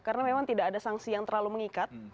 karena memang tidak ada sanksi yang terlalu mengikat